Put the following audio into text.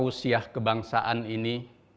jadul tausiah kebangsaan ini